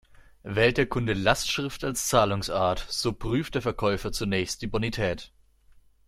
Wählt der Kunde Lastschrift als Zahlungsart, so prüft der Verkäufer zunächst die Bonität.